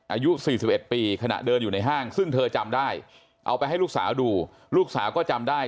อายุ๔๑ปีขณะเดินอยู่ในห้างซึ่งเธอจำได้เอาไปให้ลูกสาวดูลูกสาวก็จำได้